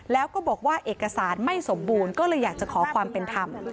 แล้วก็บอกว่าเอกสารไม่สมบูรณ์ก็เลยอยากจะขอความเป็นธรรม